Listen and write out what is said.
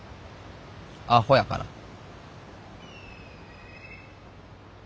あほやから。